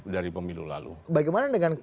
dari pemilu lalu bagaimana dengan